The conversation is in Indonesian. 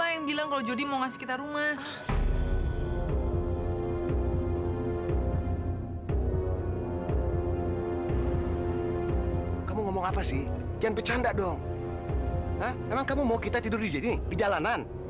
emang kamu mau kita tidur di jalanan